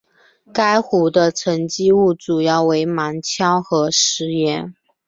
该湖的沉积物主要为芒硝和石盐。